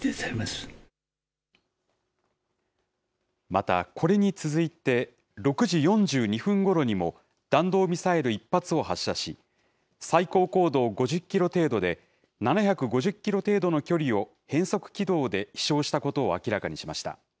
また、これに続いて、６時４２分ごろにも、弾道ミサイル１発を発射し、最高高度５０キロ程度で、７５０キロ程度の距離を変速軌道で飛しょうしたことを明らかにしました。